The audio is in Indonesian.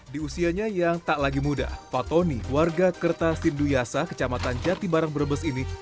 di usianya yang tak lagi muda fatoni warga kerta sinduyasa kecamatan jatibarang brebes ini